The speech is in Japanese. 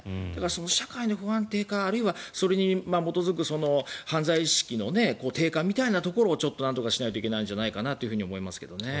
社会の不安定化あるいはそれに基づく犯罪意識の低下みたいなところをちょっとなんとかしないといけないんじゃないかなと思いますけれどね。